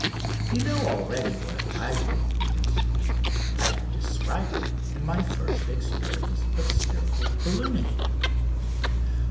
You know already what the guide rope is. I have described it in my first experience of spherical ballooning.